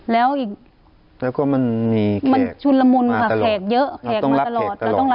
แล้วอีกมันชุนละมุนค่ะแขกเยอะแขกมาตลอด